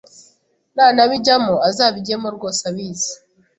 nanabijyamo azabigemo rwose abizi.